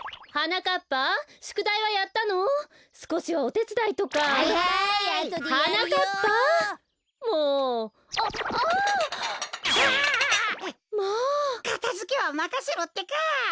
かたづけはまかせろってか！